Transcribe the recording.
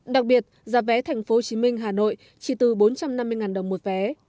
đặc biệt giá vé tp hcm hà nội chỉ từ bốn trăm năm mươi đồng một vé